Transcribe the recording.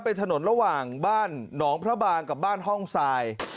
เป็นถนนระหว่างบ้านหนองพระบางกับบ้านห้องทราย